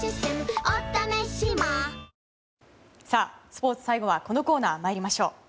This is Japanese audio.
スポーツ最後はこのコーナー参りましょう。